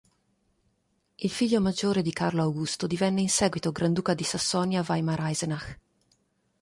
Il figlio maggiore di Carlo Augusto divenne in seguito granduca di Sassonia-Weimar-Eisenach.